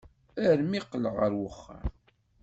Armi qqleɣ ɣer uxxam.